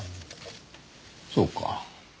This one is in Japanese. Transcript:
そうか。